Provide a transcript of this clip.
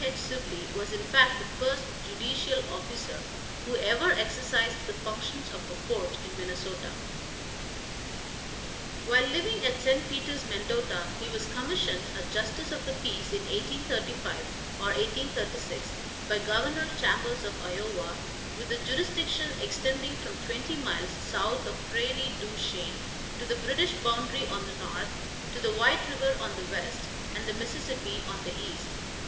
Sibley was in fact the first judicial officer who ever exercised the functions of a court in Minnesota. While living at St. Peters (Mendota), he was commissioned a justice of the peace in 1835 or 1836 by Governor Chambers of Iowa, with a jurisdiction extending from twenty miles south of Prairie du Chien to the British boundary on the north, to the White river on the west and the Mississippi on the east.